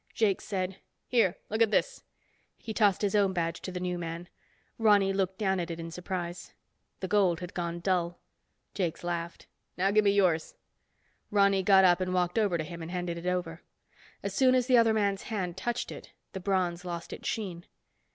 Jakes said, "Here, look at this." He tossed his own badge to the new man. Ronny looked down at it in surprise. The gold had gone dull. Jakes laughed. "Now give me yours." Ronny got up and walked over to him and handed it over. As soon as the other man's hand touched it, the bronze lost its sheen.